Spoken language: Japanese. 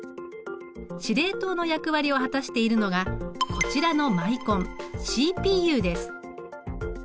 司令塔の役割を果たしているのがこちらのマイコンＣＰＵです。